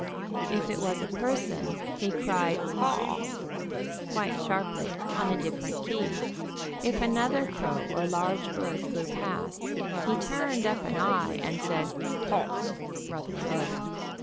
If it was a person, he cried "Haw!" quite sharply, on a different key. If another crow or large bird flew past, he turned up an eye and said "Hawh!" rather low.